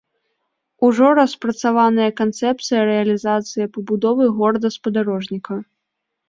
Ужо распрацаваная канцэпцыя рэалізацыі пабудовы горада-спадарожніка.